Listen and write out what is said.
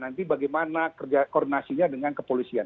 nanti bagaimana koordinasinya dengan kepolisian